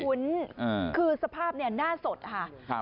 ไม่คุ้นคือสภาพหน้าสดค่ะ